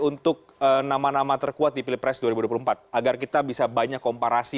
untuk nama nama terkuat di pilpres dua ribu dua puluh empat agar kita bisa banyak komparasi